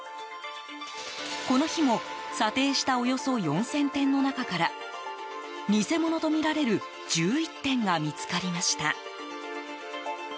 この日も、査定したおよそ４０００点の中から偽物とみられる１１点が見つかりました。